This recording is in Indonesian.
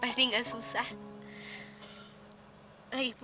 pasti nggak susah